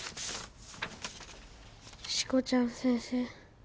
「しこちゃん先生」